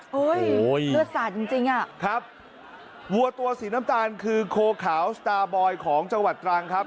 โอ้โหเลือดสาดจริงจริงอ่ะครับวัวตัวสีน้ำตาลคือโคขาวสตาร์บอยของจังหวัดตรังครับ